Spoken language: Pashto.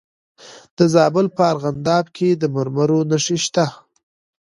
د زابل په ارغنداب کې د مرمرو نښې شته.